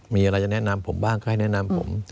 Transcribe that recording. มีอะไรจะแนะนำผมบ้างค่อยแนะนำผม